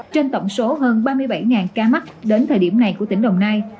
trên tổng số hơn ba mươi bảy ca mắc đến thời điểm này của tỉnh đồng nai